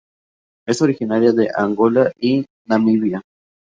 Es originaria de Angola y Namibia.